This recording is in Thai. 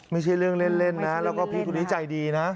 ไม่ใช่เรื่องเล่นนะแล้วก็พี่คนนี้ใจดีนะ